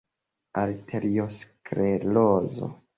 Arteriosklerozo.